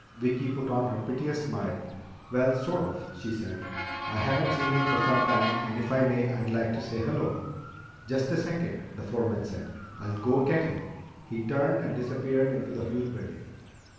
Vicki put on her prettiest smile. "Well, sort of," she said. "I haven't seen him for some time, and if I may, I'd like to say hello." "Just a second," the foreman said. "I'll go get him." He turned and disappeared into the huge building.